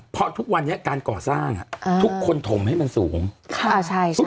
เพราะทุกวันเนี้ยการก่อสร้างอ่ะอ่าทุกคนถมให้มันสูงค่ะใช่ใช่